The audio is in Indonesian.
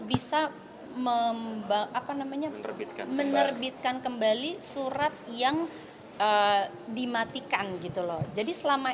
bisa memba apa namanya menerbitkan kembali surat yang dimatikan gitu loh jadi selama